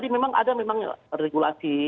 memang ada regulasi